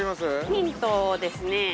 ◆ヒントですね